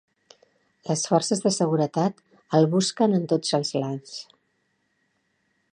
Les forces de seguretat el busquen en tots els lands.